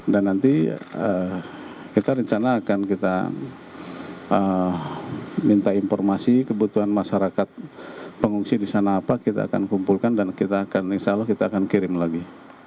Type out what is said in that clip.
dan nanti kita rencana akan kita minta informasi kebutuhan masyarakat pengungsi di sana apa kita akan kumpulkan dan kita akan kirim lagi